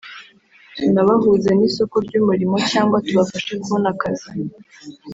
tunabahuze n’isoko ry’umurimo cyangwa tubafashe kubona akazi